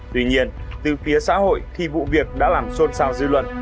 tuy nhiên từ phía xã hội thì vụ việc đã làm xôn xao dư luận